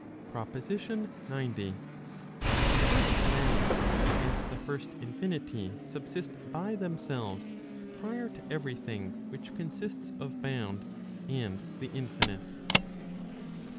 PROPOSITION XC. The first bound, and the first infinity subsist by themselves prior to every thing which consists of bound and the infinite.